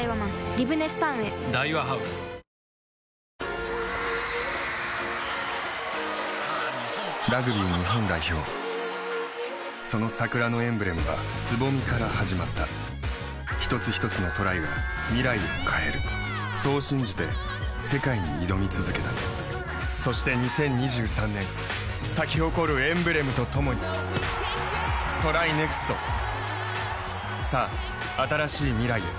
リブネスタウンへ・ラグビー日本代表その桜のエンブレムは蕾から始まった一つひとつのトライが未来を変えるそう信じて世界に挑み続けたそして２０２３年咲き誇るエンブレムとともにＴＲＹＮＥＸＴさあ、新しい未来へ。